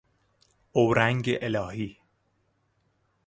اورنگ الهی